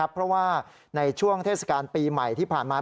เพราะว่าในช่วงเทศกาลปีใหม่ที่ผ่านมา